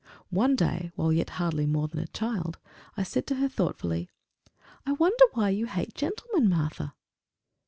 One day, while yet hardly more than a child, I said to her thoughtfully, "I wonder why you hate gentlemen, Martha!"